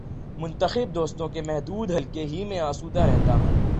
منتخب دوستوں کے محدود حلقے ہی میں آسودہ رہتا ہوں۔